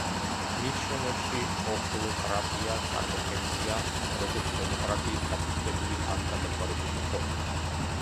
მის შრომებში ოხლოკრატია წარმოდგენილია, როგორც დემოკრატიის დასუსტებული ან გადაგვარებული ფორმა.